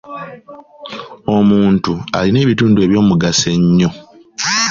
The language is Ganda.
Omuntu alina ebitundu eby'omugaso ennyo.